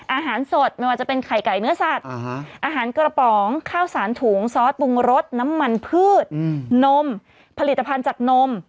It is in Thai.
อาหารสดไม่ว่าจะเป็นไข่ไก่เนื้อสัตว์อาหารกระป๋องข้าวสารถุงซอสปรุงรสน้ำมันพืชนมผลิตภัณฑ์จากนม